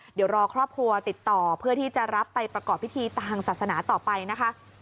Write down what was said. เดี๋ยวรอครอบครัวติดต่อเพื่อที่จะรับไปประกอบพิธีทางศาสนาต่อไปนะคะ